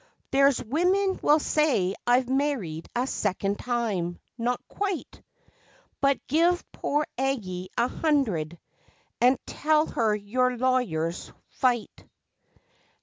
There's women will say I've married a second time. Not quite! But give pore Aggie a hundred, and tell her your lawyers'll fight.